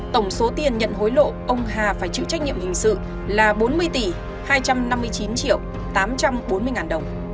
tổng số tiền nhận hối lộ ông hà phải chịu trách nhiệm hình sự là bốn mươi tỷ hai trăm năm mươi chín triệu tám trăm bốn mươi ngàn đồng